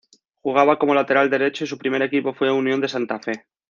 Jugaba como lateral derecho y su primer equipo fue Unión de Santa Fe.